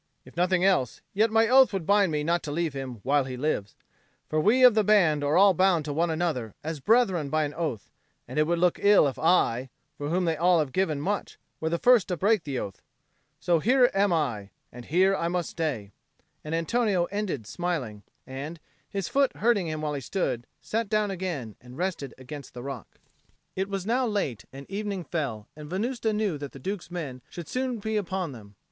"If nothing else, yet my oath would bind me not to leave him while he lives. For we of the band are all bound to one another as brethren by an oath, and it would look ill if I, for whom they all have given much, were the first to break the oath. So here I am, and here I must stay," and Antonio ended smiling, and, his foot hurting him while he stood, sat down again and rested against the rock. It was now late, and evening fell; and Venusta knew that the Duke's men should soon be upon them.